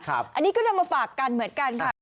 อันนี้ก็นำมาฝากกันเหมือนกันค่ะ